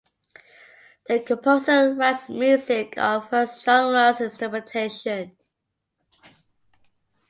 The composer writes music of various genres and instrumentation.